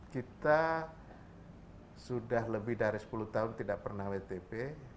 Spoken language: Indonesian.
kita sudah lebih dari sepuluh tahun tidak pernah wtp